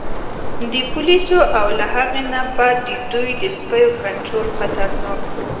د پولیسو او له هغې نه بد د دوی د سپیو کنترول خطرناک و.